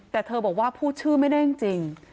แต่เธอบอกว่าพูดชื่อไม่ได้จริง